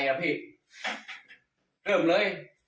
๑๑๐๐๐ครับเด็นเต้นเลย